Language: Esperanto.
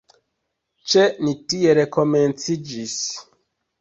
Ĉe ni tiel komenciĝis.